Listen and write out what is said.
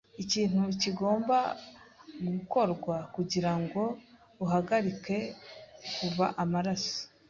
Ikintu kigomba gukorwa kugirango uhagarike kuva amaraso.